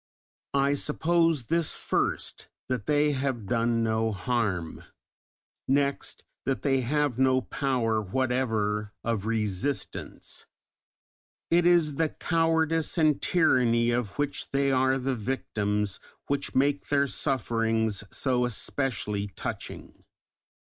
I suppose this first, that they have done no harm; next, that they have no power whatever of resistance; it is the cowardice and tyranny of which they are the victims which make their sufferings so especially touching.